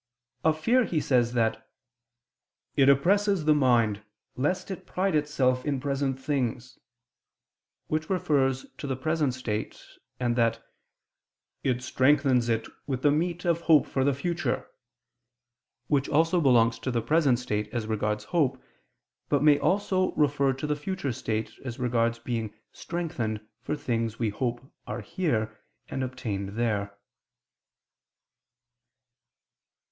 Of fear he says that "it oppresses the mind, lest it pride itself in present things," which refers to the present state, and that "it strengthens it with the meat of hope for the future," which also belongs to the present state, as regards hope, but may also refer to the future state, as regards being "strengthened" for things we hope are here, and obtain there.